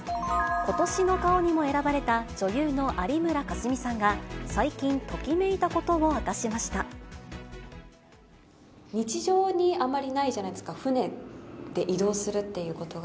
ことしの顔にも選ばれた女優の有村架純さんが、最近ときめいたこ日常にあまりないじゃないですか、船で移動するっていうことが。